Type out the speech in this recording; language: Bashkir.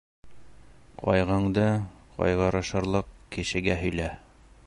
Ҡайғыңды ҡайғырышырлыҡ кешегә һөйлә.